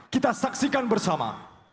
kita saksikan bersama